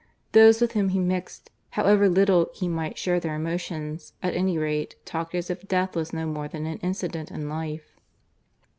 Those with whom he mixed, however little he might share their emotions, at any rate talked as if death was no more than an incident in life.